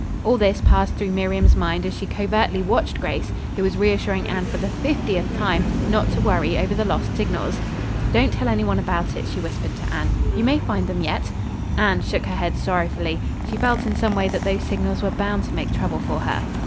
All this passed through Miriam's mind as she covertly watched Grace, who was reassuring Anne for the fiftieth time, not to worry over the lost signals. "Don't tell any one about it," she whispered to Anne. "You may find them yet." Anne shook her head sorrowfully. She felt in some way that those signals were bound to make trouble for her.